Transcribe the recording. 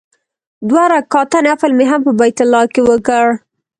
دوه رکعاته نفل مې هم په بیت الله کې وکړ.